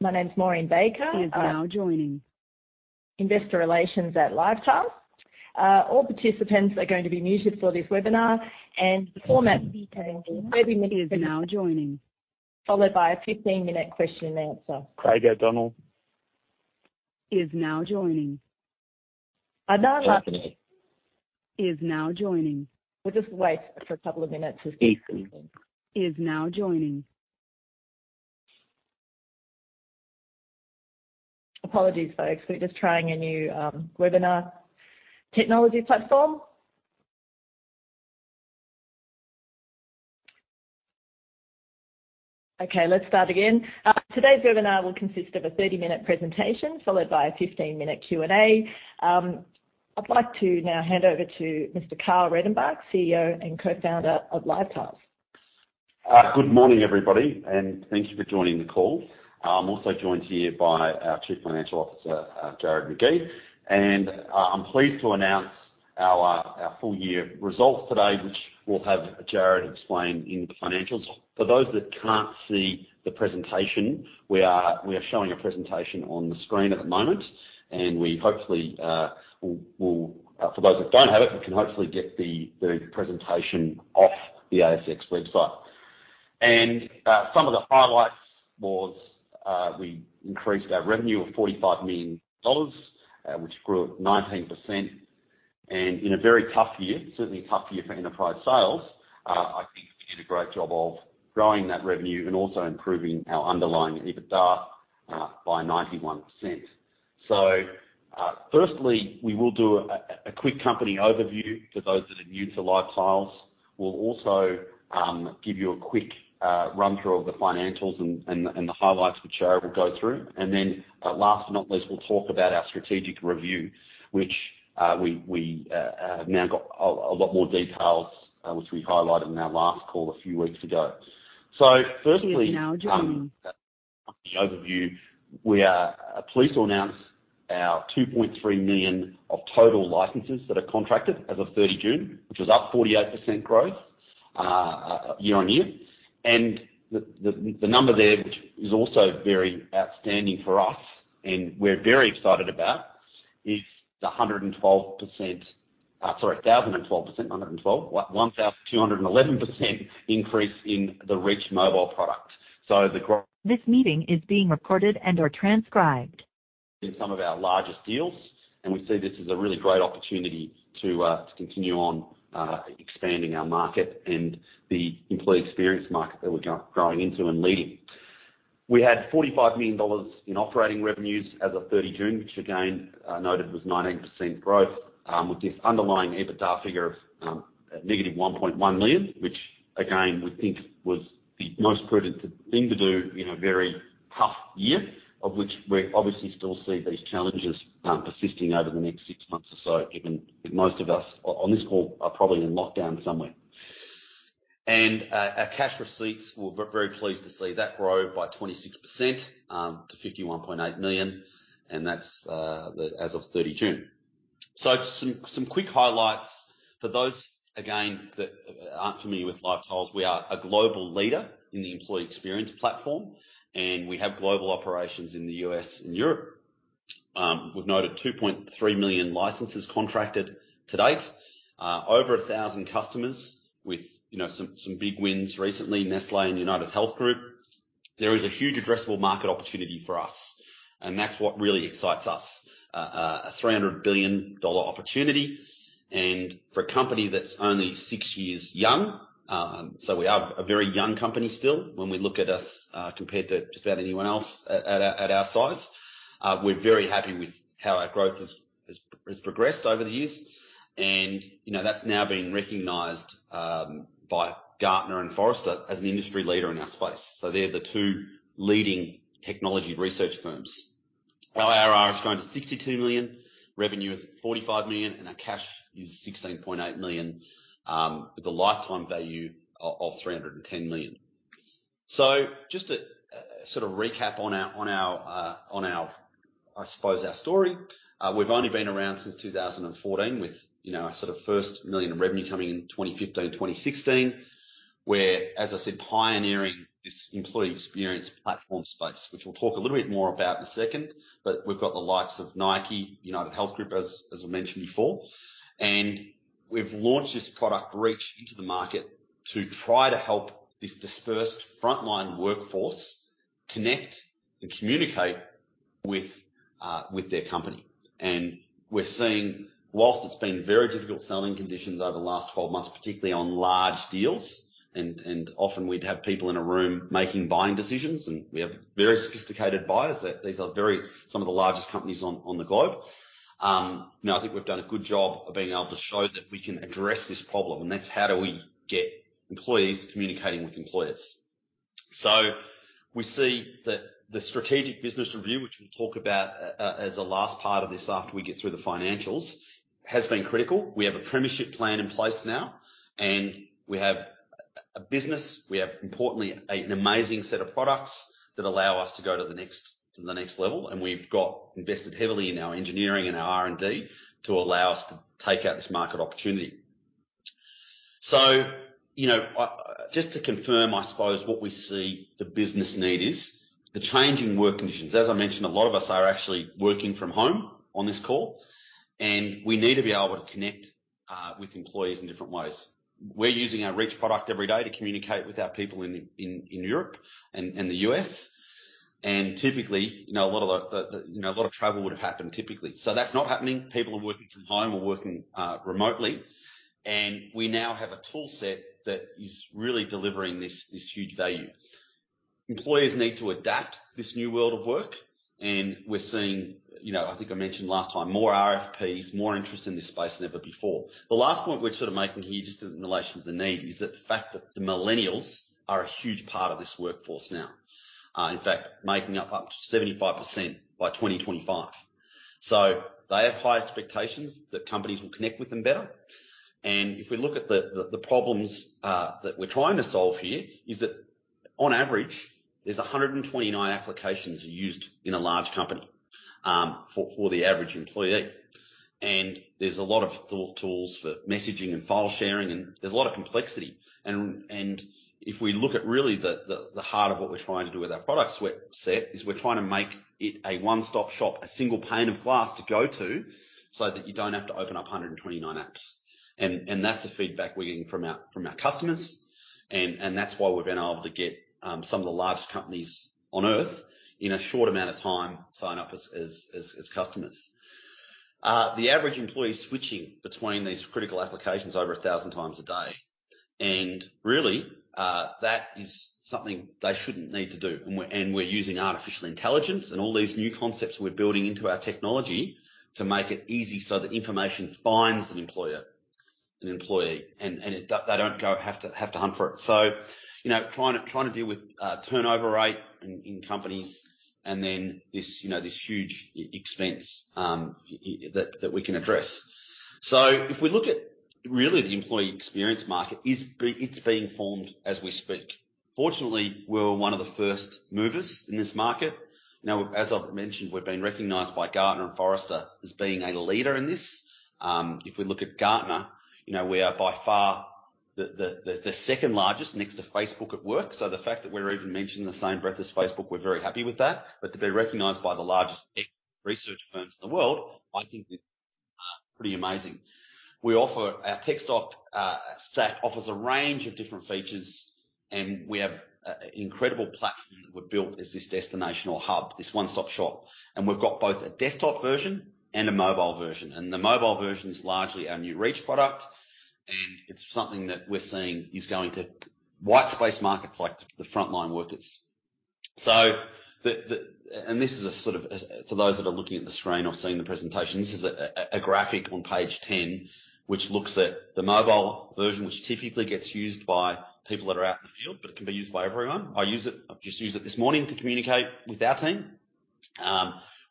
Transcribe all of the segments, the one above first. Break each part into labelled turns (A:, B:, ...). A: My name is Maureen Baker. investor relations at LiveTiles. All participants are going to be muted for this webinar. Followed by a 15-minute question and answer.
B: Craig O'Donnell.
A: We'll just wait for a couple of minutes. Apologies, folks. We're just trying a new webinar technology platform. Okay, let's start again. Today's webinar will consist of a 30-minute presentation, followed by a 15-minute Q&A. I'd like to now hand over to Mr. Karl Redenbach, CEO and co-founder of LiveTiles.
B: Good morning, everybody, and thank you for joining the call. I am also joined here by our Chief Financial Officer, Jarrod Magee, and I am pleased to announce our full-year results today, which we will have Jarrod explain in the financials. For those that cannot see the presentation, we are showing a presentation on the screen at the moment, and for those that do not have it, we can hopefully get the presentation off the ASX website. Some of the highlights was we increased our revenue of 45 million dollars, which grew at 19%, and in a very tough year, certainly a tough year for enterprise sales, I think we did a great job of growing that revenue and also improving our underlying EBITDA by 91%. Firstly, we will do a quick company overview for those that are new to LiveTiles. We'll also give you a quick run-through of the financials and the highlights, which Jarrod will go through. Last but not least, we'll talk about our strategic review, which we have now got a lot more details, which we highlighted in our last call a few weeks ago. the overview. We are pleased to announce our 2.3 million of total licenses that are contracted as of 30 June, which was up 48% growth year-on-year. The number there, which is also very outstanding for us and we're very excited about, is the 1,211% increase in the Reach Mobile product. In some of our largest deals, we see this as a really great opportunity to continue on expanding our market and the employee experience market that we're growing into and leading. We had 45 million dollars in operating revenues as of 30 June, which again, noted was 19% growth, with this underlying EBITDA figure of negative 1.1 million, which again, we think was the most prudent thing to do in a very tough year, of which we obviously still see these challenges persisting over the next six months or so, given that most of us on this call are probably in lockdown somewhere. Our cash receipts, we're very pleased to see that grow by 26% to 51.8 million, and that's as of 30 June. Some quick highlights for those, again, that aren't familiar with LiveTiles. We are a global leader in the employee experience platform. We have global operations in the U.S. and Europe. We've noted 2.3 million licenses contracted to date. Over 1,000 customers with some big wins recently, Nestlé and UnitedHealth Group. There is a huge addressable market opportunity for us. That's what really excites us. An 300 billion dollar opportunity, for a company that's only six years young. We are a very young company still when we look at us compared to just about anyone else at our size. We're very happy with how our growth has progressed over the years. That's now been recognized by Gartner and Forrester as an industry leader in our space. They're the two leading technology research firms. Our ARR has grown to 62 million, revenue is at 45 million, and our cash is 16.8 million, with a lifetime value of 310 million. Just to recap on our, I suppose, our story. We've only been around since 2014 with our 1 million in revenue coming in 2015, 2016. We're, as I said, pioneering this employee experience platform space, which we'll talk a little bit more about in a second. We've got the likes of Nike, UnitedHealth Group, as I mentioned before, and we've launched this product, Reach, into the market to try to help this dispersed frontline workforce connect and communicate with their company. We're seeing, whilst it's been very difficult selling conditions over the last 12 months, particularly on large deals, and often we'd have people in a room making buying decisions, and we have very sophisticated buyers. These are some of the largest companies on the globe. I think we've done a good job of being able to show that we can address this problem, and that's how do we get employees communicating with employers. We see that the strategic business review, which we'll talk about as the last part of this after we get through the financials, has been critical. We have a Premiership Plan in place now, and we have a business. We have, importantly, an amazing set of products that allow us to go to the next level, and we've invested heavily in our engineering and our R&D to allow us to take out this market opportunity. Just to confirm, I suppose, what we see the business need is the changing work conditions. As I mentioned, a lot of us are actually working from home on this call, and we need to be able to connect with employees in different ways. We're using our Reach product every day to communicate with our people in Europe and the U.S., and typically, a lot of travel would have happened typically. That's not happening. People are working from home or working remotely, and we now have a toolset that is really delivering this huge value. Employees need to adapt this new world of work, and we're seeing, I think I mentioned last time, more RFPs, more interest in this space than ever before. The last point we're making here, just in relation to the need, is the fact that the millennials are a huge part of this workforce now, in fact, making up to 75% by 2025. They have high expectations that companies will connect with them better. If we look at the problems that we're trying to solve here is that on average, there's 129 applications used in a large company for the average employee. There's a lot of SaaS tools for messaging and file sharing, and there's a lot of complexity. If we look at really the heart of what we're trying to do with our product set is we're trying to make it a one-stop shop, a single pane of glass to go to so that you don't have to open up 129 apps. That's the feedback we're getting from our customers, and that's why we've been able to get some of the largest companies on Earth in a short amount of time, sign up as customers. The average employee is switching between these critical applications over 1,000 times a day. Really, that is something they shouldn't need to do. We're using artificial intelligence and all these new concepts we're building into our technology to make it easy so that information finds an employee and they don't have to hunt for it. Trying to deal with turnover rate in companies and then this huge expense that we can address. If we look at really the employee experience market, it's being formed as we speak. Fortunately, we're one of the first movers in this market. As I've mentioned, we've been recognized by Gartner and Forrester as being a leader in this. If we look at Gartner, we are by far the second-largest next to Workplace by Facebook. The fact that we're even mentioned in the same breath as Facebook, we're very happy with that. To be recognized by the largest tech research firms in the world, I think is pretty amazing. Our tech stack offers a range of different features, and we have an incredible platform that we've built as this destination or hub, this one-stop shop. We've got both a desktop version and a mobile version, and the mobile version is largely our new Reach product, and it's something that we're seeing is going to white space markets like the frontline workers. For those that are looking at the screen or seeing the presentation, this is a graphic on page 10 which looks at the mobile version, which typically gets used by people that are out in the field, but it can be used by everyone. I've just used it this morning to communicate with our team.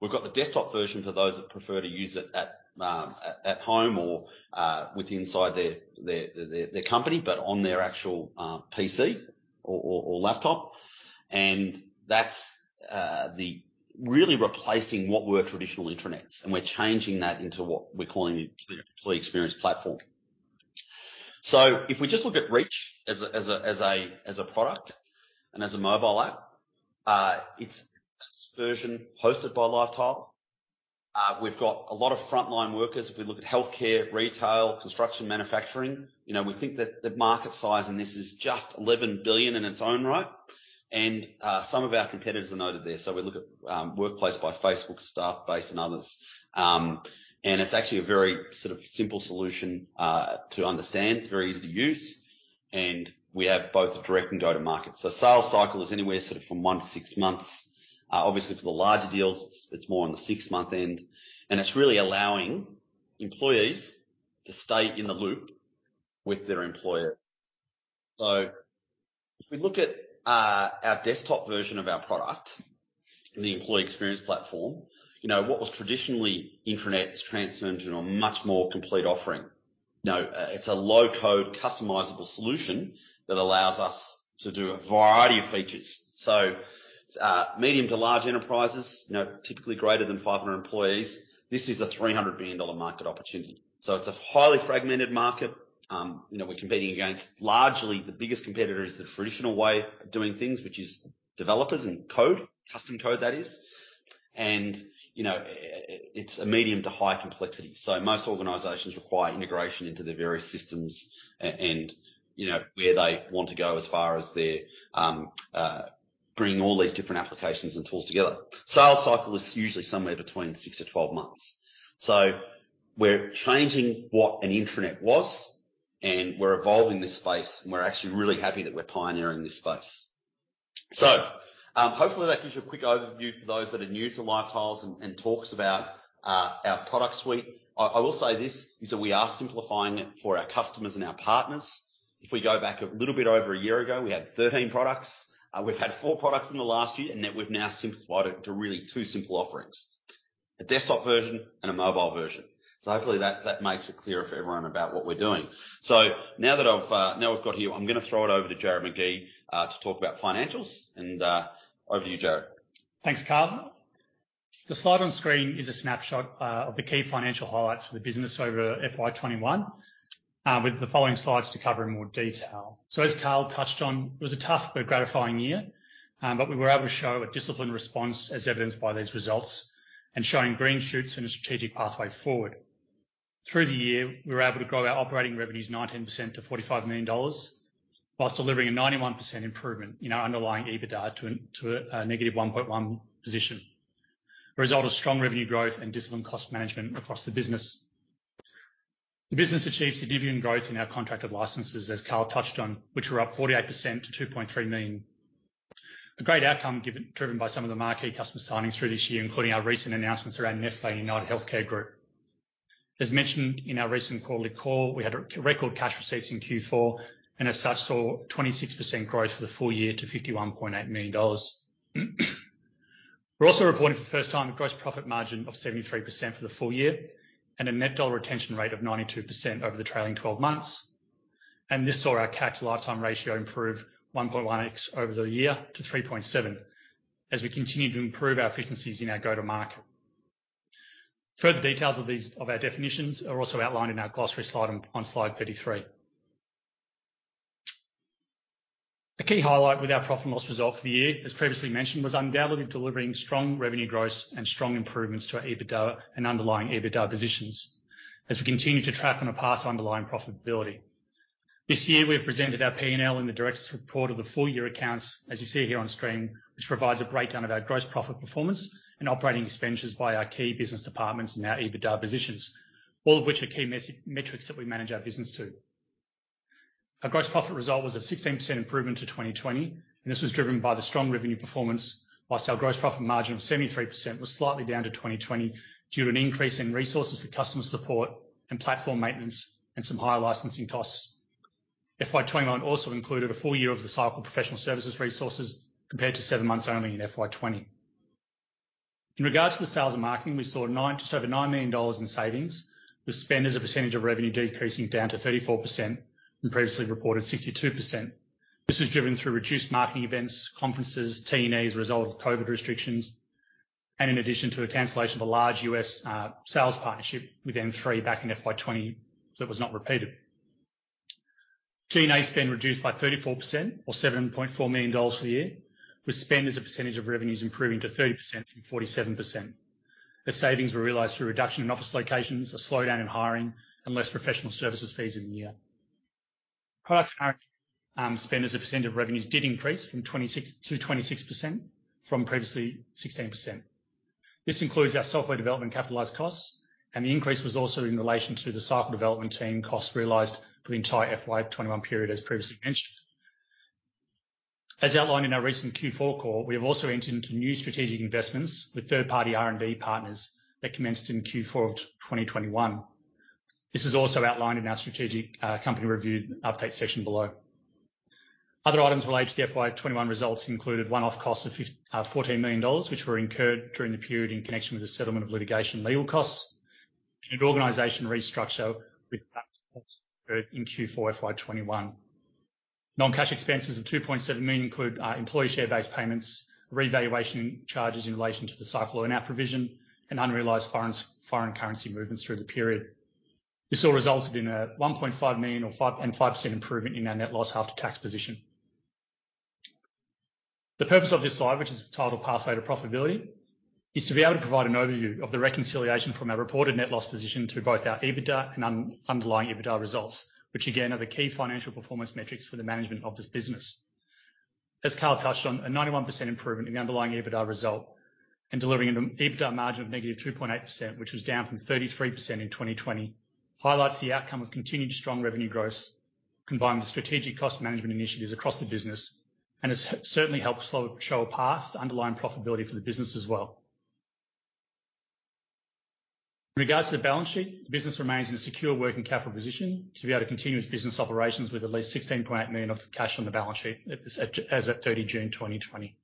B: We've got the desktop version for those that prefer to use it at home or with inside their company, but on their actual PC or laptop. That's really replacing what were traditional intranets, and we're changing that into what we're calling employee experience platform. If we just look at Reach as a product and as a mobile app, it's version hosted by LiveTiles. We've got a lot of frontline workers. If we look at healthcare, retail, construction, manufacturing. We think that the market size in this is just 11 billion in its own right. Some of our competitors are noted there. We look at Workplace by Facebook, Staffbase, and others. It's actually a very simple solution to understand. It's very easy to use, and we have both a direct and go-to-market. Sales cycle is anywhere from one to six months. Obviously for the larger deals, it's more on the six-month end, and it's really allowing employees to stay in the loop with their employer. If we look at our desktop version of our product, the employee experience platform, what was traditionally intranet is transformed into a much more complete offering. It's a low-code customizable solution that allows us to do a variety of features. Medium to large enterprises, typically greater than 500 employees. This is an 300 billion dollar market opportunity. It's a highly fragmented market. We're competing against largely the biggest competitor is the traditional way of doing things, which is developers and code, custom code, that is. It's a medium to high complexity. Most organizations require integration into their various systems and where they want to go as far as their bringing all these different applications and tools together. Sales cycle is usually somewhere between six to 12 months. We're changing what an intranet was, and we're evolving this space, and we're actually really happy that we're pioneering this space. Hopefully that gives you a quick overview for those that are new to LiveTiles and talks about our product suite. I will say this, is that we are simplifying it for our customers and our partners. If we go back a little bit over a year ago, we had 13 products. We've had four products in the last year, and we've now simplified it to really two simple offerings, a desktop version and a mobile version. Hopefully that makes it clearer for everyone about what we're doing. Now we've got you, I'm going to throw it over to Jarrod Magee to talk about financials, and over to you, Jarrod.
C: Thanks, Karl. The slide on screen is a snapshot of the key financial highlights for the business over FY 2021, with the following slides to cover in more detail. As Karl touched on, it was a tough but gratifying year, but we were able to show a disciplined response as evidenced by these results, and showing green shoots and a strategic pathway forward. Through the year, we were able to grow our operating revenues 19% to 45 million dollars, whilst delivering a 91% improvement in our underlying EBITDA to a negative 1.1 position. A result of strong revenue growth and disciplined cost management across the business. The business achieved significant growth in our contracted licenses, as Karl touched on, which were up 48% to 2.3 million. A great outcome driven by some of the marquee customer signings through this year, including our recent announcements around Nestlé and UnitedHealth Group. As mentioned in our recent quarterly call, we had record cash receipts in Q4, and as such, saw 26% growth for the full year to 51.8 million dollars. We're also reporting for the first time a gross profit margin of 73% for the full year, and a net dollar retention rate of 92% over the trailing 12 months. This saw our CAC lifetime ratio improve 1.1X over the year to 3.7, as we continue to improve our efficiencies in our go-to market. Further details of our definitions are also outlined in our glossary slide on slide 33. A key highlight with our profit and loss result for the year, as previously mentioned, was undoubtedly delivering strong revenue growth and strong improvements to our EBITDA and underlying EBITDA positions as we continue to track on a path to underlying profitability. This year, we've presented our P&L in the directors' report of the full year accounts, as you see here on screen, which provides a breakdown of our gross profit performance and operating expenditures by our key business departments and our EBITDA positions, all of which are key metrics that we manage our business to. Our gross profit result was a 16% improvement to 2020, and this was driven by the strong revenue performance, whilst our gross profit margin of 73% was slightly down to 2020 due to an increase in resources for customer support and platform maintenance, and some higher licensing costs. FY 2021 also included a full year of the CYCL professional services resources compared to seven months only in FY 2020. In regards to the sales and marketing, we saw just over 9 million dollars in savings, with spend as a percentage of revenue decreasing down to 34% from previously reported 62%. This was driven through reduced marketing events, conferences, T&E as a result of COVID restrictions, and in addition to a cancellation of a large U.S. sales partnership with N3 back in FY 2020 that was not repeated. G&A spend reduced by 34% or 7.4 million dollars for the year, with spend as a percentage of revenues improving to 30% from 47%. The savings were realized through a reduction in office locations, a slowdown in hiring, and less professional services fees in the year. Product and marketing spend as a percentage of revenues did increase to 26% from previously 16%. This includes our software development capitalized costs, and the increase was also in relation to the CYCL development team costs realized for the entire FY 2021 period, as previously mentioned. As outlined in our recent Q4 call, we have also entered into new strategic investments with third-party R&D partners that commenced in Q4 of 2021. This is also outlined in our strategic company review update section below. Other items related to the FY 2021 results included one-off costs of 14 million dollars, which were incurred during the period in connection with the settlement of litigation legal costs, and an organization restructure incurred in Q4 FY 2021. Non-cash expenses of 2.7 million include employee share-based payments, revaluation charges in relation to the CYCL earn-out provision, and unrealized foreign currency movements through the period. This all resulted in a 1.5 million or 5% improvement in our net loss after tax position. The purpose of this slide, which is titled Pathway to Profitability, is to be able to provide an overview of the reconciliation from our reported net loss position to both our EBITDA and underlying EBITDA results, which again, are the key financial performance metrics for the management of this business. As Karl touched on, a 91% improvement in the underlying EBITDA result and delivering an EBITDA margin of negative 3.8%, which was down from 33% in 2020, highlights the outcome of continued strong revenue growth, combined with strategic cost management initiatives across the business, and has certainly helped show a path to underlying profitability for the business as well. In regards to the balance sheet, the business remains in a secure working capital position to be able to continue its business operations with at least 16.9 million of cash on the balance sheet as at 30 June 2020.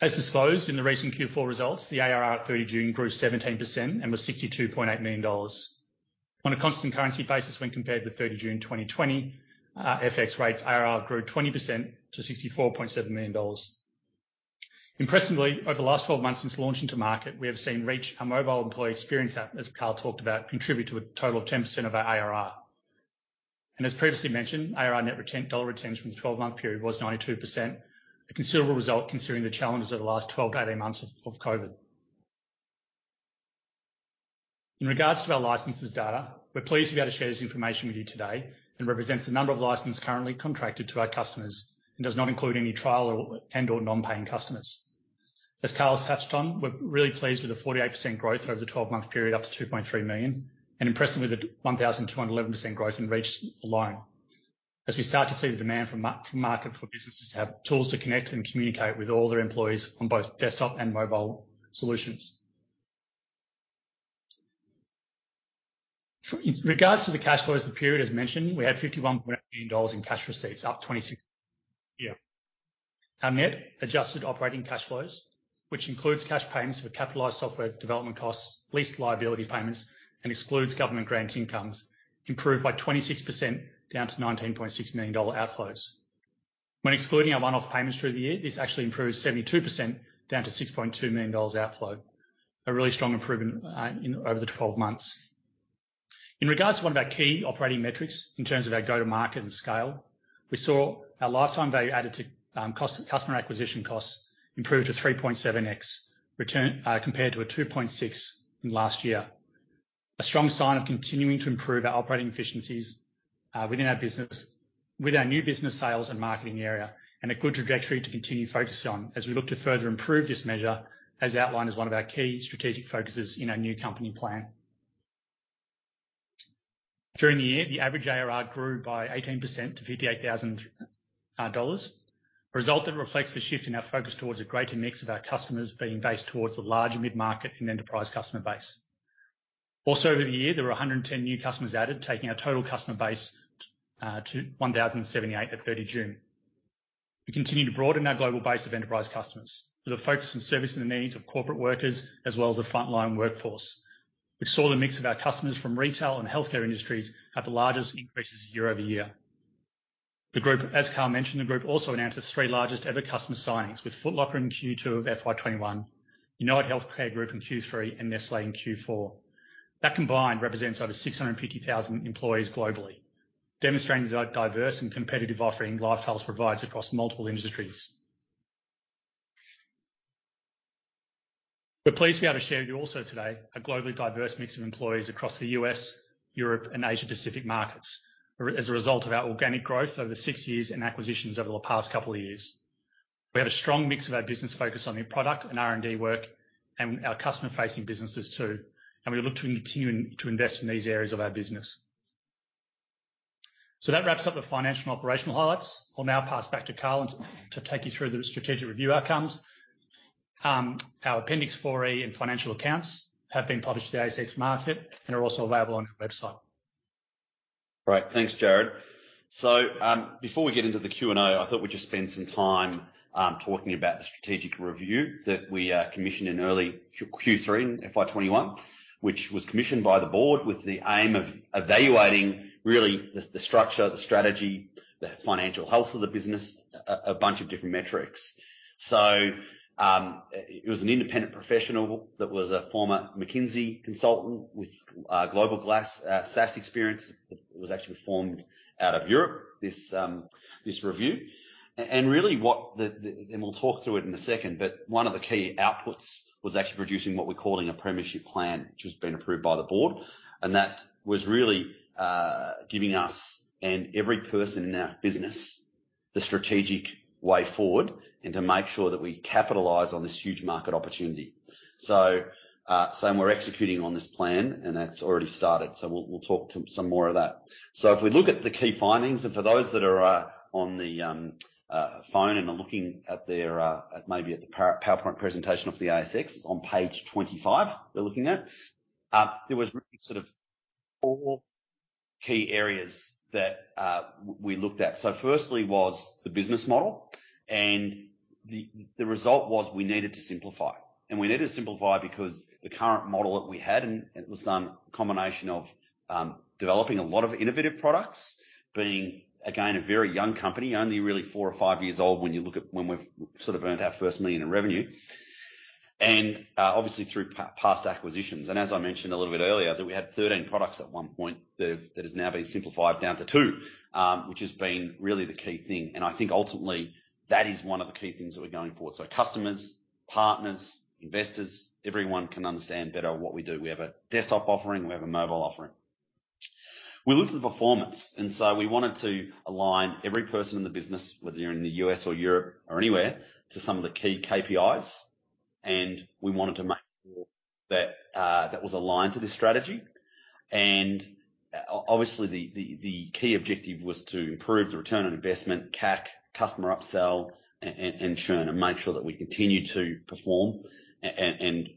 C: As disclosed in the recent Q4 results, the ARR at 30 June grew 17% and was 62.8 million dollars. On a constant currency basis when compared with 30 June 2020, FX rates ARR grew 20% to 64.7 million dollars. Impressively, over the last 12 months since launch into market, we have seen Reach, our mobile employee experience app, as Karl talked about, contribute to a total of 10% of our ARR. As previously mentioned, ARR net dollar retention from the 12-month period was 92%, a considerable result considering the challenges over the last 12 to 18 months of COVID. In regards to our licenses data, we're pleased to be able to share this information with you today and represents the number of licenses currently contracted to our customers and does not include any trial and/or non-paying customers. As Karl has touched on, we're really pleased with the 48% growth over the 12-month period up to 2.3 million, and impressively with the 1,211% growth in Reach alone. As we start to see the demand from market for businesses to have tools to connect and communicate with all their employees on both desktop and mobile solutions. In regards to the cash flows, the period as mentioned, we had 51.8 million dollars in cash receipts up 26% year. Our net adjusted operating cash flows, which includes cash payments for capitalized software development costs, lease liability payments, and excludes government grant incomes improved by 26% down to 19.6 million dollar outflows. When excluding our one-off payments through the year, this actually improved 72% down to 6.2 million dollars outflow. A really strong improvement over the 12 months. In regards to one of our key operating metrics in terms of our go-to-market and scale, we saw our lifetime value added to customer acquisition costs improve to 3.7x compared to a 2.6x in last year. A strong sign of continuing to improve our operating efficiencies within our business, with our new business sales and marketing area, and a good trajectory to continue focusing on as we look to further improve this measure as outlined as one of our key strategic focuses in our new company plan. During the year, the average ARR grew by 18% to 58,000 dollars. A result that reflects the shift in our focus towards a greater mix of our customers being based towards the large mid-market and enterprise customer base. Over the year, there were 110 new customers added, taking our total customer base to 1,078 at 30 June. We continue to broaden our global base of enterprise customers with a focus on servicing the needs of corporate workers as well as the frontline workforce. We saw the mix of our customers from retail and healthcare industries have the largest increases year-over-year. As Karl mentioned, the group also announced its three largest ever customer signings with Foot Locker in Q2 of FY 2021, UnitedHealth Group in Q3, and Nestlé in Q4. That combined represents over 650,000 employees globally, demonstrating the diverse and competitive offering LiveTiles provides across multiple industries. We're pleased to be able to share with you also today a globally diverse mix of employees across the U.S., Europe, and Asia-Pacific markets as a result of our organic growth over six years and acquisitions over the past couple of years. We have a strong mix of our business focus on new product and R&D work and our customer-facing businesses too. We look to continue to invest in these areas of our business. That wraps up the financial and operational highlights. I'll now pass back to Karl to take you through the strategic review outcomes. Our Appendix 4E and financial accounts have been published to the ASX market and are also available on our website.
B: Great. Thanks, Jarrod. Before we get into the Q&A, I thought we'd just spend some time talking about the strategic review that we commissioned in early Q3 in FY 2021, which was commissioned by the board with the aim of evaluating really the structure, the strategy, the financial health of the business, a bunch of different metrics. It was an independent professional that was a former McKinsey consultant with global SaaS experience. It was actually formed out of Europe, this review. We'll talk through it in a second, but 1 of the key outputs was actually producing what we're calling a Premiership Plan, which has been approved by the board. That was really giving us and every person in our business the strategic way forward and to make sure that we capitalize on this huge market opportunity. We're executing on this plan, and that's already started. We'll talk to some more of that. If we look at the key findings, and for those that are on the phone and are looking maybe at the PowerPoint presentation off the ASX, it's on page 25, they're looking at. There was really sort of four key areas that we looked at. Firstly was the business model, and the result was we needed to simplify. We needed to simplify because the current model that we had, and it was a combination of developing a lot of innovative products, being, again, a very young company, only really four or five years old when we've sort of earned our first 1 million in revenue, and obviously through past acquisitions. As I mentioned a little bit earlier, that we had 13 products at one point that has now been simplified down to two, which has been really the key thing. I think ultimately that is one of the key things that we're going for. Customers, partners, investors, everyone can understand better what we do. We have a desktop offering, we have a mobile offering. We looked at the performance, we wanted to align every person in the business, whether you're in the U.S. or Europe or anywhere, to some of the key KPIs, and we wanted to make sure that that was aligned to this strategy. Obviously the key objective was to improve the return on investment, CAC, customer upsell, and churn, and make sure that we continue to perform and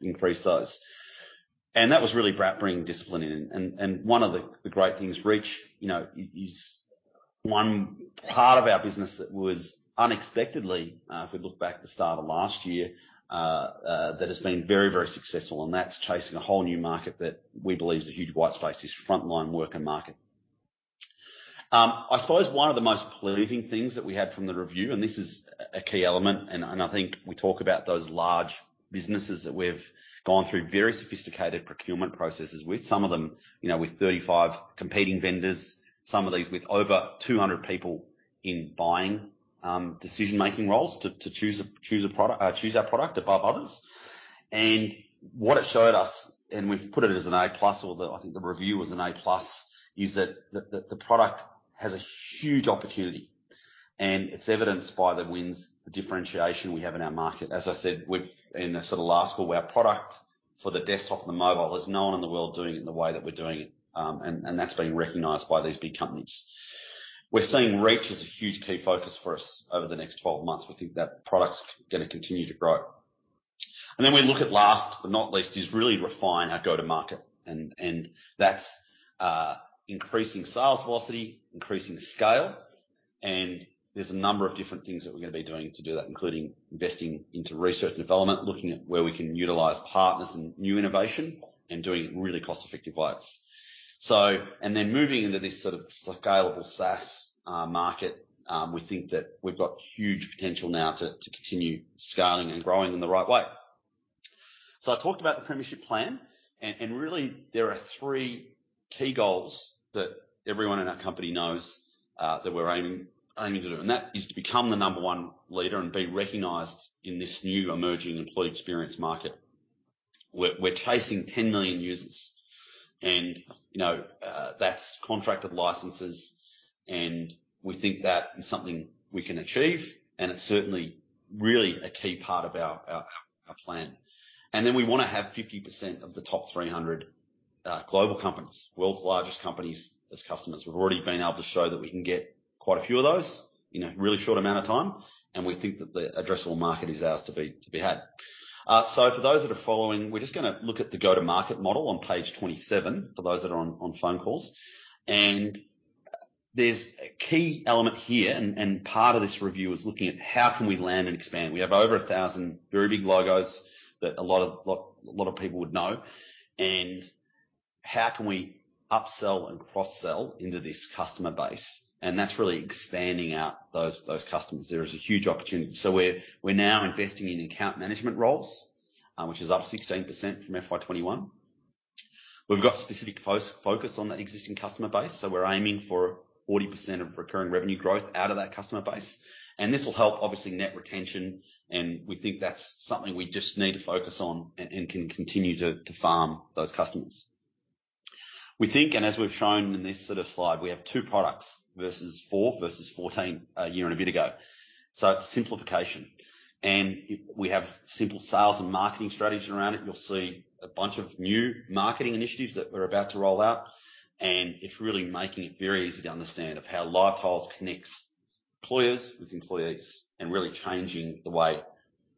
B: increase those. That was really about bringing discipline in. One of the great things, Reach is one part of our business that was unexpectedly, if we look back to the start of last year, that has been very successful. That's chasing a whole new market that we believe is a huge white space, this frontline worker market. I suppose one of the most pleasing things that we had from the review, and this is a key element, and I think we talk about those large businesses that we've gone through very sophisticated procurement processes with. Some of them with 35 competing vendors, some of these with over 200 people in buying decision-making roles to choose our product above others. What it showed us, and we've put it as an A plus, or I think the review was an A plus, is that the product has a huge opportunity. It's evidenced by the wins, the differentiation we have in our market. As I said, in the sort of last call, our product for the desktop and the mobile, there's no one in the world doing it in the way that we're doing it. That's being recognized by these big companies. We're seeing Reach as a huge key focus for us over the next 12 months. We think that product's going to continue to grow. Then we look at last but not least, is really refine our go-to-market. That's increasing sales velocity, increasing scale. There's a number of different things that we're going to be doing to do that, including investing into research and development, looking at where we can utilize partners and new innovation, and doing it in really cost-effective ways. Moving into this scalable SaaS market, we think that we've got huge potential now to continue scaling and growing in the right way. I talked about the Premiership Plan, and really there are three key goals that everyone in our company knows that we're aiming to do, and that is to become the number one leader and be recognized in this new emerging employee experience market. We're chasing 10 million users, and that's contracted licenses, and we think that is something we can achieve, and it's certainly really a key part of our plan. We want to have 50% of the top 300 global companies, world's largest companies, as customers. We've already been able to show that we can get quite a few of those in a really short amount of time, and we think that the addressable market is ours to be had. For those that are following, we're just going to look at the go-to-market model on page 27, for those that are on phone calls. There's a key element here, and part of this review is looking at how can we land and expand. We have over 1,000 very big logos that a lot of people would know. How can we upsell and cross-sell into this customer base? That's really expanding out those customers. There is a huge opportunity. We're now investing in account management roles, which is up 16% from FY 2021. We've got specific focus on that existing customer base, so we're aiming for 40% of recurring revenue growth out of that customer base, and this will help obviously net retention, and we think that's something we just need to focus on and can continue to farm those customers. We think, and as we've shown in this slide, we have two products versus four, versus 14 a year and a bit ago. It's simplification. We have simple sales and marketing strategy around it. You'll see a bunch of new marketing initiatives that we're about to roll out, and it's really making it very easy to understand of how LiveTiles connects employers with employees and really changing the way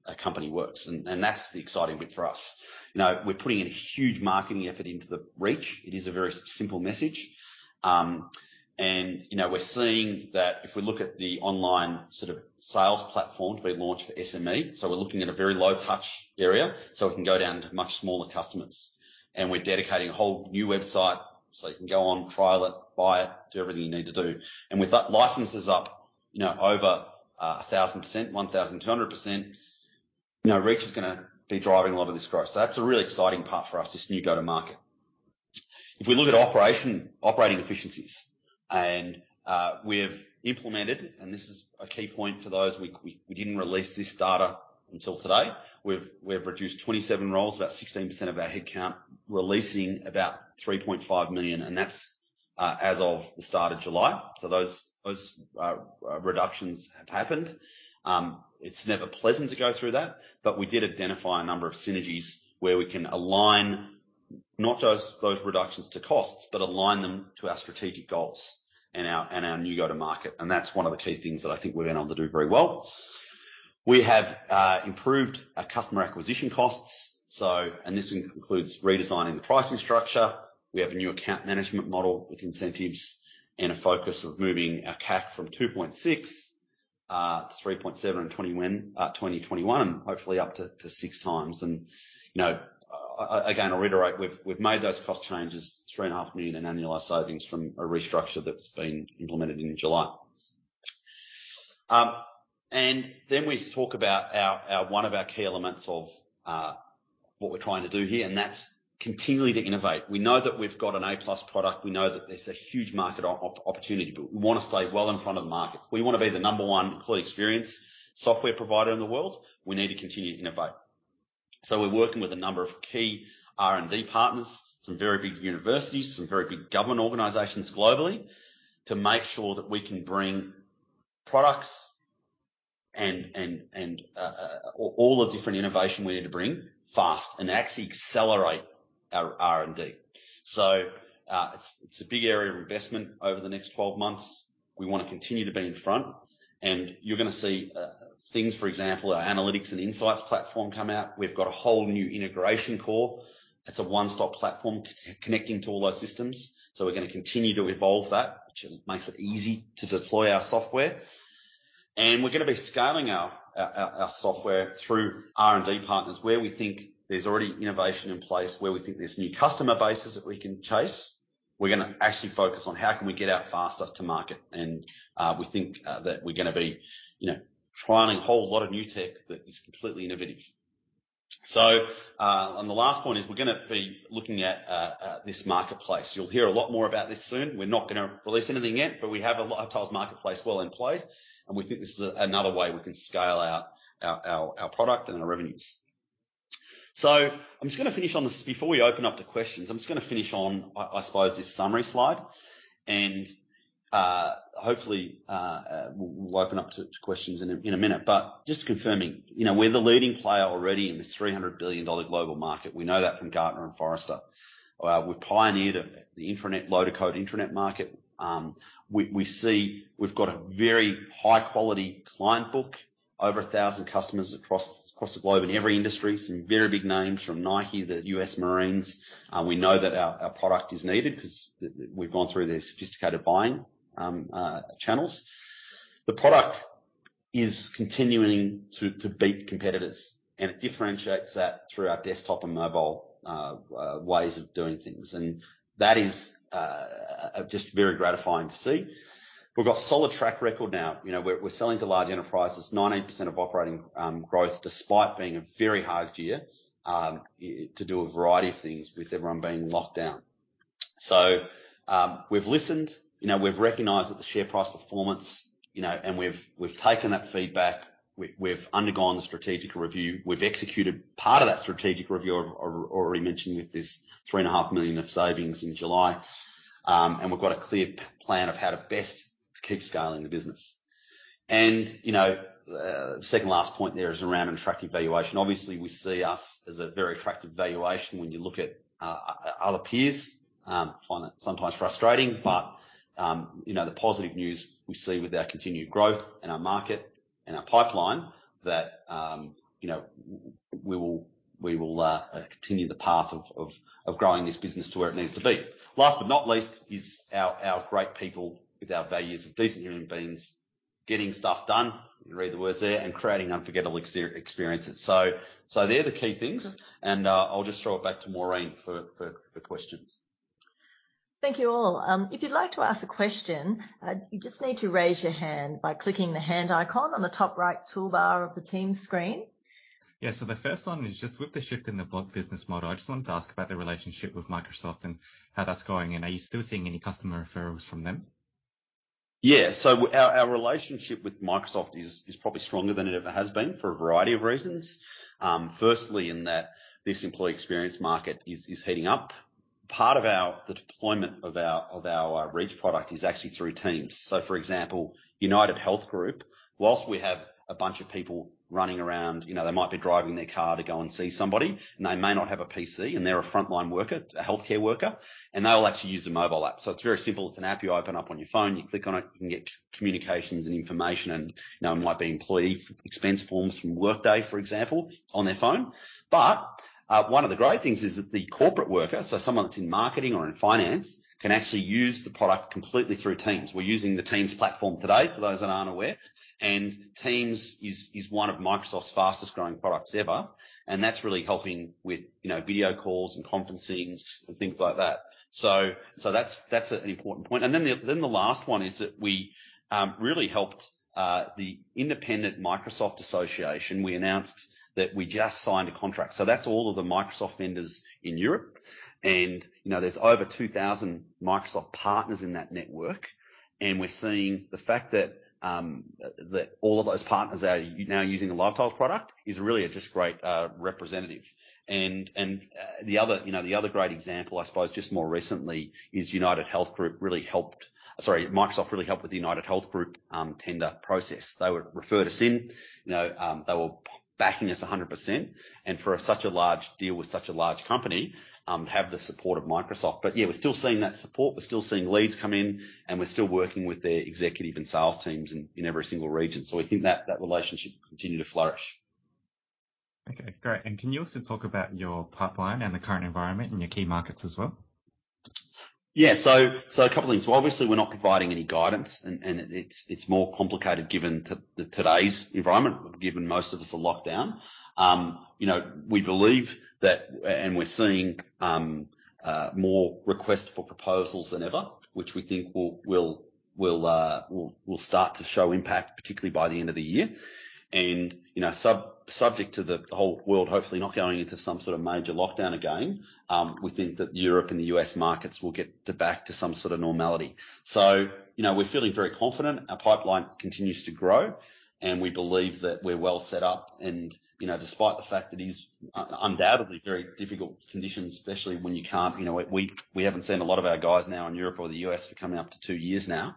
B: a company works. That's the exciting bit for us. We're putting in a huge marketing effort into the reach. It is a very simple message. We're seeing that if we look at the online sales platform to be launched for SME, so we're looking at a very low touch area, so we can go down to much smaller customers. We're dedicating a whole new website so you can go on, trial it, buy it, do everything you need to do. With that, licenses up over 1,000%, 1,200%. Reach is going to be driving a lot of this growth. That's a really exciting part for us, this new go to market. If we look at operating efficiencies, we've implemented, this is a key point for those, we didn't release this data until today. We've reduced 27 roles, about 16% of our headcount, releasing about 3.5 million, that's as of the start of July. Those reductions have happened. It's never pleasant to go through that, but we did identify a number of synergies where we can align not just those reductions to costs, but align them to our strategic goals and our new go to market. That's one of the key things that I think we've been able to do very well. We have improved our customer acquisition costs. This includes redesigning the pricing structure. We have a new account management model with incentives and a focus of moving our CAC from 2.6 to 3.7 in 2021, hopefully up to six times. Again, I'll reiterate, we've made those cost changes, three and a half million in annualized savings from a restructure that's been implemented in July. We talk about one of our key elements of what we're trying to do here, and that's continually to innovate. We know that we've got an A-plus product. We know that there's a huge market opportunity, but we want to stay well in front of the market. We want to be the number one employee experience software provider in the world. We need to continue to innovate. We're working with a number of key R&D partners, some very big universities, some very big government organizations globally, to make sure that we can bring products and all the different innovation we need to bring fast and actually accelerate our R&D. It's a big area of investment over the next 12 months. We want to continue to be in front. You're going to see things, for example, our analytics and insights platform come out. We've got a whole new integration core. It's a one-stop platform connecting to all our systems. We're going to continue to evolve that, which makes it easy to deploy our software. We're going to be scaling our software through R&D partners where we think there's already innovation in place, where we think there's new customer bases that we can chase. We're going to actually focus on how can we get out faster to market. We think that we're going to be trialing a whole lot of new tech that is completely innovative. The last point is we're going to be looking at this marketplace. You'll hear a lot more about this soon. We're not going to release anything yet. We have a LiveTiles Marketplace well in play. We think this is another way we can scale out our product and our revenues. I'm just going to finish on this before we open up to questions. I'm just going to finish on, I suppose, this summary slide. Hopefully, we'll open up to questions in a minute. Just confirming, we're the leading player already in this 300 billion dollar global market. We know that from Gartner and Forrester. We've pioneered the intranet low-code intranet market. We've got a very high-quality client book. Over 1,000 customers across the globe in every industry. Some very big names from Nike, the U.S. Marines. We know that our product is needed because we've gone through their sophisticated buying channels. The product is continuing to beat competitors, and it differentiates that through our desktop and mobile ways of doing things. That is just very gratifying to see. We've got a solid track record now. We're selling to large enterprises, 19% of operating growth despite being a very hard year to do a variety of things with everyone being in lockdown. We've listened, we've recognized that the share price performance, and we've taken that feedback. We've undergone the strategic review. We've executed part of that strategic review I've already mentioned with this three and a half million of savings in July. We've got a clear plan of how to best keep scaling the business. The second last point there is around an attractive valuation. Obviously, we see us as a very attractive valuation when you look at other peers. I find that sometimes frustrating. The positive news we see with our continued growth and our market and our pipeline that we will continue the path of growing this business to where it needs to be. Last but not least is our great people with our values of decent human beings getting stuff done, you can read the words there, and creating unforgettable experiences. They're the key things, and I'll just throw it back to Maureen for questions.
A: Thank you all. If you'd like to ask a question, you just need to raise your hand by clicking the hand icon on the top right toolbar of the Teams screen.
D: Yeah. The first one is just with the shift in the [broader] business model, I just wanted to ask about the relationship with Microsoft and how that's going, and are you still seeing any customer referrals from them?
B: Yeah. Our relationship with Microsoft is probably stronger than it ever has been for a variety of reasons. Firstly, in that this employee experience market is heating up. Part of the deployment of our Reach product is actually through Teams. For example, UnitedHealth Group, whilst we have a bunch of people running around, they might be driving their car to go and see somebody, and they may not have a PC, and they're a frontline worker, a healthcare worker, and they will actually use the mobile app. It's very simple. It's an app you open up on your phone. You click on it, you can get communications and information, and it might be employee expense forms from Workday, for example, on their phone. One of the great things is that the corporate worker, so someone that's in marketing or in finance, can actually use the product completely through Teams. We're using the Teams platform today, for those that aren't aware. Teams is one of Microsoft's fastest-growing products ever, and that's really helping with video calls and conferencings and things like that. That's an important point. The last one is that we really helped the Independent Microsoft Association. We announced that we just signed a contract. That's all of the Microsoft vendors in Europe. There's over 2,000 Microsoft partners in that network, and we're seeing the fact that all of those partners are now using the LiveTiles product is really just a great representative. The other great example, I suppose, just more recently, sorry, Microsoft really helped with the UnitedHealth Group tender process. They referred us in. They were backing us 100%, and for such a large deal with such a large company, have the support of Microsoft. Yeah, we're still seeing that support. We're still seeing leads come in, and we're still working with their executive and sales teams in every single region. We think that relationship will continue to flourish.
D: Okay, great. Can you also talk about your pipeline and the current environment in your key markets as well?
B: A couple of things. Obviously, we're not providing any guidance, and it's more complicated given today's environment, given most of us are locked down. We believe that, and we're seeing more requests for proposals than ever, which we think will start to show impact, particularly by the end of the year. Subject to the whole world hopefully not going into some sort of major lockdown again, we think that the Europe and the U.S. markets will get back to some sort of normality. We're feeling very confident. Our pipeline continues to grow, and we believe that we're well set up. Despite the fact that these undoubtedly very difficult conditions, especially when you haven't seen a lot of our guys now in Europe or the U.S. for coming up to two years now.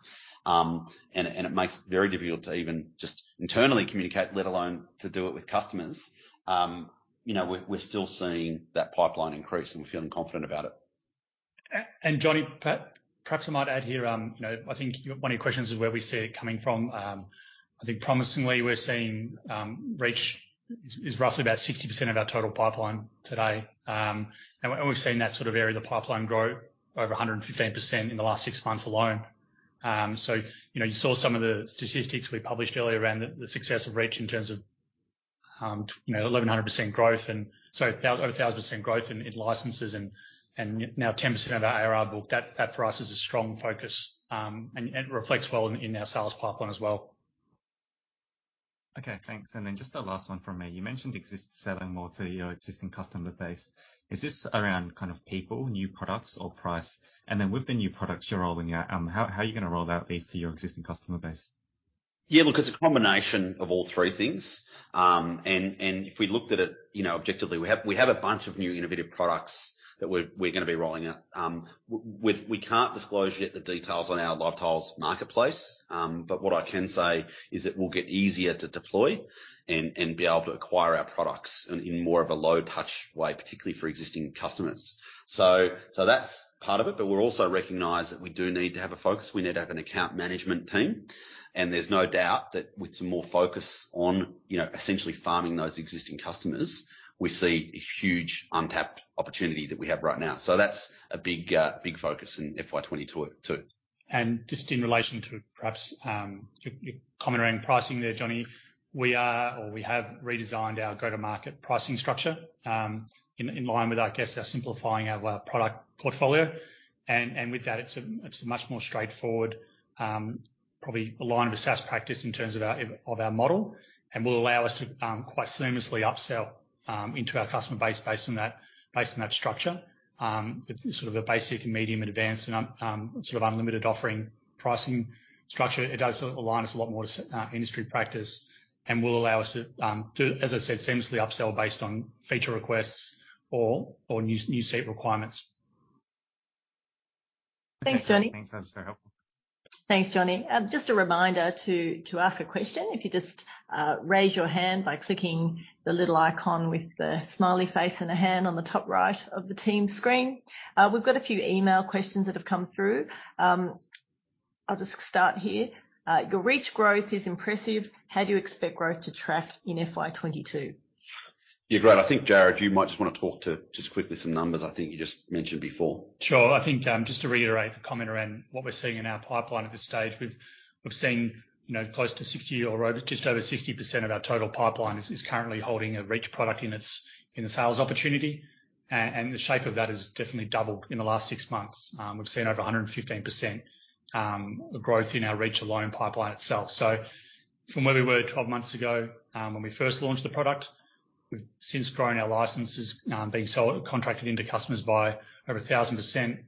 B: It makes it very difficult to even just internally communicate, let alone to do it with customers. We're still seeing that pipeline increase, and we're feeling confident about it.
C: Jonny, perhaps I might add here, I think one of your questions is where we see it coming from. I think promisingly, we're seeing Reach is roughly about 60% of our total pipeline today. We've seen that area of the pipeline grow by over 115% in the last six months alone. You saw some of the statistics we published earlier around the success of Reach in terms of 1,100% growth, and sorry, over 1,000% growth in licenses and now 10% of our ARR book. That for us is a strong focus, and it reflects well in our sales pipeline as well.
D: Okay, thanks. Just the last one from me. You mentioned selling more to your existing customer base. Is this around people, new products, or price? With the new products you're rolling out, how are you going to roll out these to your existing customer base?
B: Yeah, look, it's a combination of all three things. If we looked at it objectively, we have a bunch of new innovative products that we're going to be rolling out. We can't disclose yet the details on our LiveTiles Marketplace, but what I can say is it will get easier to deploy and be able to acquire our products in more of a low-touch way, particularly for existing customers. That's part of it, but we also recognize that we do need to have a focus. We need to have an account management team, and there's no doubt that with some more focus on essentially farming those existing customers, we see a huge untapped opportunity that we have right now. That's a big focus in FY 2022 too.
C: Just in relation to perhaps your comment around pricing there, Jonny. We have redesigned our go-to-market pricing structure, in line with, I guess, our simplifying our product portfolio. With that, it's a much more straightforward, probably aligned with SaaS practice in terms of our model and will allow us to quite seamlessly upsell into our customer base based on that structure. With sort of a basic, medium, and advanced, and unlimited offering pricing structure. It does align us a lot more to industry practice and will allow us to, as I said, seamlessly upsell based on feature requests or new set requirements.
A: Thanks, Jonny.
D: Thanks. That's very helpful.
A: Thanks, Jonny. Just a reminder to ask a question. If you just raise your hand by clicking the little icon with the smiley face and a hand on the top right of the Teams screen. We've got a few email questions that have come through. I'll just start here. Your Reach growth is impressive. How do you expect growth to track in FY 2022?
B: Yeah, great. I think, Jarrod, you might just want to talk to just quickly some numbers I think you just mentioned before.
C: Sure. I think just to reiterate the comment around what we're seeing in our pipeline at this stage. We've seen close to 60 or just over 60% of our total pipeline is currently holding a Reach product in the sales opportunity. The shape of that has definitely doubled in the last six months. We've seen over 115% growth in our Reach alone pipeline itself. From where we were 12 months ago, when we first launched the product, we've since grown our licenses being contracted into customers by over 1,000%.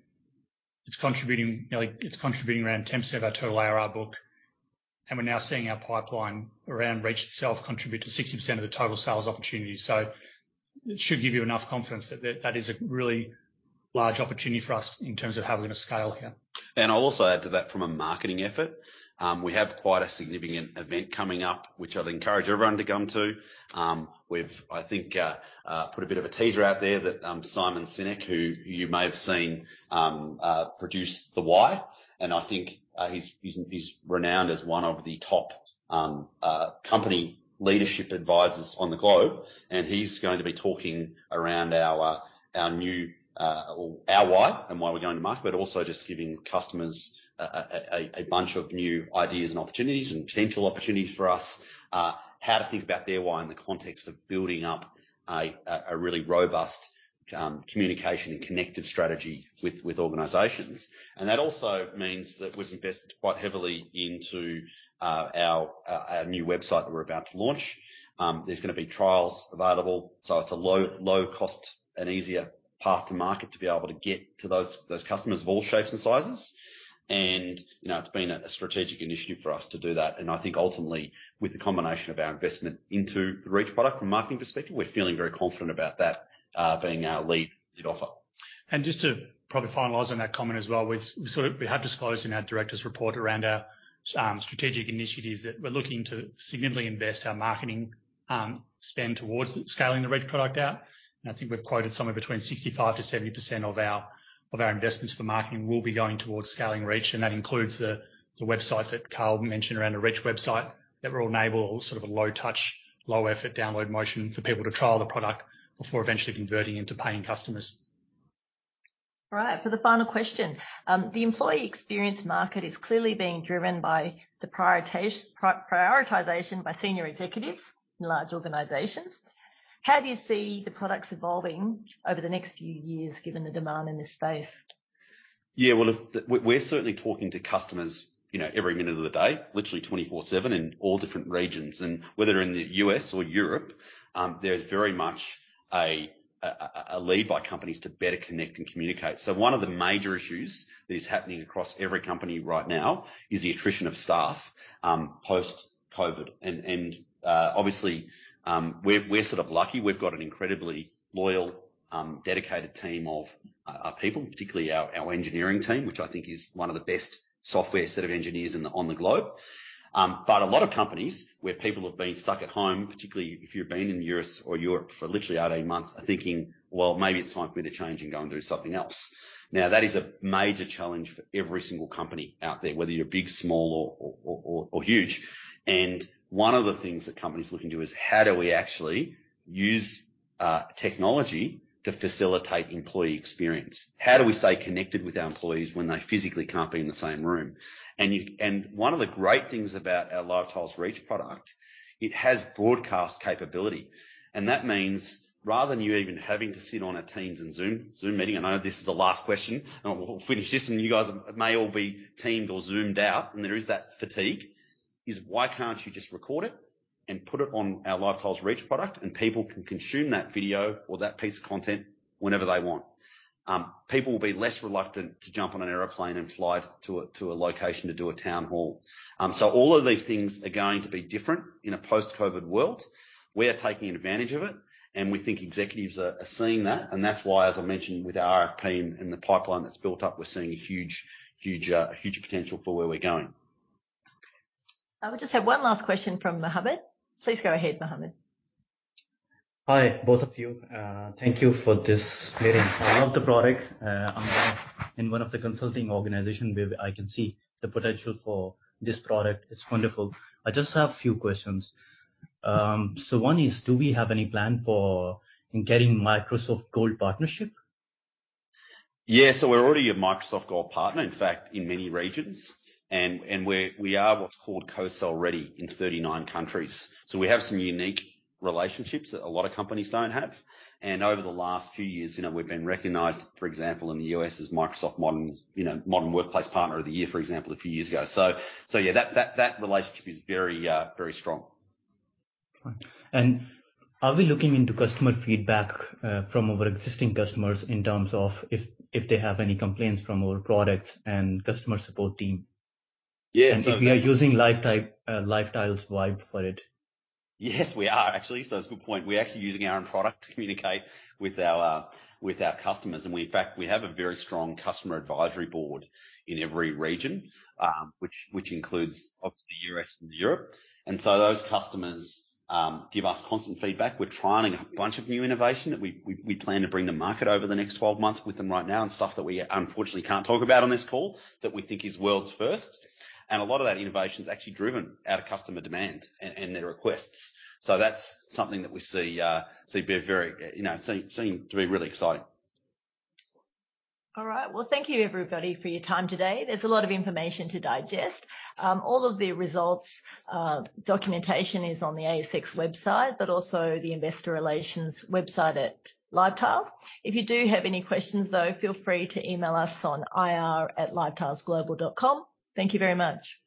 C: It's contributing around 10% of our total ARR book, and we're now seeing our pipeline around Reach itself contribute to 60% of the total sales opportunity. It should give you enough confidence that that is a really large opportunity for us in terms of how we're going to scale here.
B: I'll also add to that from a marketing effort. We have quite a significant event coming up, which I'd encourage everyone to come to. We've, I think, put a bit of a teaser out there that Simon Sinek, who you may have seen, produce "The Why." I think he's renowned as one of the top company leadership advisors on the globe, and he's going to be talking around our why and why we're going to market, but also just giving customers a bunch of new ideas and opportunities and potential opportunities for us. How to think about their why in the context of building up a really robust communication and connective strategy with organizations. That also means that we've invested quite heavily into our new website that we're about to launch. There's going to be trials available, so it's a low cost and easier path to market to be able to get to those customers of all shapes and sizes. It's been a strategic initiative for us to do that. I think ultimately, with the combination of our investment into the LiveTiles Reach product from a marketing perspective, we're feeling very confident about that being our lead offer.
C: Just to probably finalize on that comment as well. We have disclosed in our director's report around our strategic initiatives that we're looking to significantly invest our marketing spend towards scaling the Reach product out. I think we've quoted somewhere between 65%-70% of our investments for marketing will be going towards scaling Reach, and that includes the website that Karl mentioned around the Reach website. That will enable a low touch, low effort download motion for people to trial the product before eventually converting into paying customers.
A: Right. For the final question. The employee experience market is clearly being driven by the prioritization by senior executives in large organizations. How do you see the products evolving over the next few years given the demand in this space?
B: Yeah. We're certainly talking to customers every minute of the day, literally 24/7 in all different regions. Whether in the U.S. or Europe, there's very much a lead by companies to better connect and communicate. One of the major issues that is happening across every company right now is the attrition of staff post-COVID. Obviously, we're sort of lucky. We've got an incredibly loyal, dedicated team of people, particularly our engineering team, which I think is one of the best software set of engineers on the globe. A lot of companies where people have been stuck at home, particularly if you've been in the U.S. or Europe for literally 18 months, are thinking, "Well, maybe it's my time for me to change and go and do something else." Now, that is a major challenge for every single company out there, whether you're big, small or huge. One of the things that companies are looking to is how do we actually use technology to facilitate employee experience? How do we stay connected with our employees when they physically can't be in the same room? One of the great things about our LiveTiles Reach product, it has broadcast capability. That means rather than you even having to sit on a Teams and Zoom meeting, I know this is the last question, and we'll finish this, and you guys may all be Teamed or Zoomed out, and there is that fatigue. Why can't you just record it and put it on our LiveTiles Reach product, and people can consume that video or that piece of content whenever they want? People will be less reluctant to jump on an airplane and fly to a location to do a town hall. All of these things are going to be different in a post-COVID world. We're taking advantage of it, and we think executives are seeing that, and that's why, as I mentioned with our RFP and the pipeline that's built up, we're seeing a huge potential for where we're going.
A: Okay. We just have one last question from Mohammed. Please go ahead, Mohammed.
E: Hi, both of you. Thank you for this meeting. I love the product. I'm in one of the consulting organization where I can see the potential for this product. It's wonderful. I just have few questions. One is, do we have any plan for in getting Microsoft Gold partnership?
B: We're already a Microsoft Gold Partner, in fact, in many regions. We are what's called co-sell ready in 39 countries. We have some unique relationships that a lot of companies don't have. Over the last few years, we've been recognized, for example, in the U.S. as Microsoft Modern Workplace Partner of the Year, for example, a few years ago. That relationship is very strong.
E: Are we looking into customer feedback from our existing customers in terms of if they have any complaints from our products and customer support team?
B: Yes.
E: If we are using LiveTiles Vibe for it?
B: Yes, we are actually. That's a good point. We're actually using our own product to communicate with our customers. We, in fact, we have a very strong customer advisory board in every region, which includes obviously the U.S. and Europe. Those customers give us constant feedback. We're trialing a bunch of new innovation that we plan to bring to market over the next 12 months with them right now, and stuff that we unfortunately can't talk about on this call that we think is world's first. A lot of that innovation is actually driven out of customer demand and their requests. That's something that we see seem to be really exciting.
A: All right. Well, thank you everybody for your time today. There is a lot of information to digest. All of the results documentation is on the ASX website, but also the investor relations website at LiveTiles. If you do have any questions, though, feel free to email us on ir@livetilesglobal.com. Thank you very much.